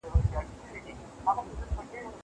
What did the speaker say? زه به د کتابتون کتابونه لوستي وي!